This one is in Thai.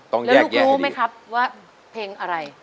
แล้วลูกรู้ไหมครับว่าเพลงอะไร